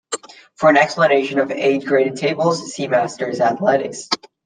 For an explanation of age-graded tables, see masters athletics.